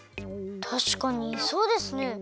たしかにそうですね。